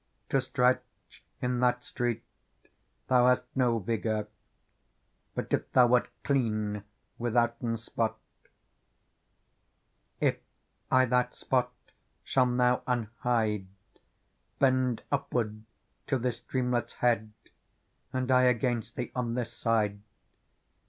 To stretch inTFat street thou hast no vigour. But if thou wert clean withouten spot. Digitized by Google 42 PEARL " If I that spot shall now un hide. Bend upward to this streamlet's head^ And I against thee on this side.